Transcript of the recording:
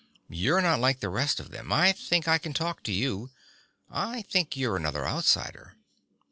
"You're not like the rest of them. I think I can talk to you. I think you're another outsider."